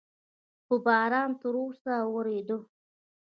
خو باران تر اوسه ورېده.